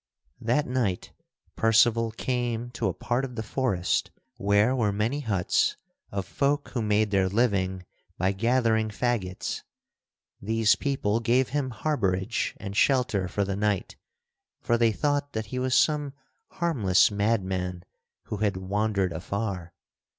That night Percival came to a part of the forest where were many huts of folk who made their living by gathering fagots. These people gave him harborage and shelter for the night, for they thought that he was some harmless madman who had wandered afar.